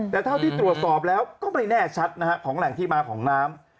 แต่เท่าที่ตรวจสอบแล้วก็ไม่แน่ชัดนะฮะของแหล่งที่มาของน้ำ